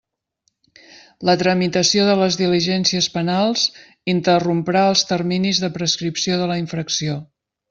La tramitació de les diligències penals interromprà els terminis de prescripció de la infracció.